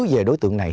về đối tượng này